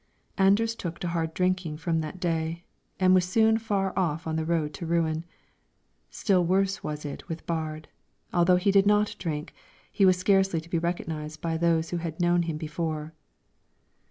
Anders took to hard drinking from that day, and was soon far on the road to ruin. Still worse was it with Baard; although he did not drink, he was scarcely to be recognized by those who had known him before.